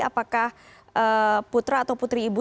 apakah putra atau putri ibu